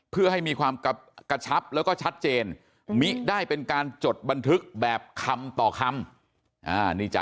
เพื่อเป็นความชัดเจนเหลือมิได้เป็นการจดบันทึกแบบคำต่อคำ